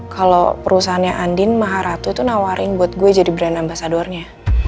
kalo perusahaan andin maharatu tuh nawarin buat gue jadi brand ambasadornya